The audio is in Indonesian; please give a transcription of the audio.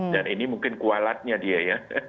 dan ini mungkin kualatnya dia ya